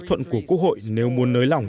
pháp thuận của quốc hội nếu muốn nới lỏng